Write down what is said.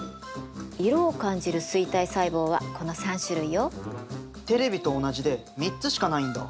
色を感じる錐体細胞はこの３種類よ。テレビと同じで３つしかないんだ？